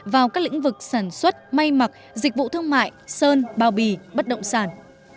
vào các lĩnh vực sản xuất may mặc dịch vụ thương mại sơn bao bì bất động sản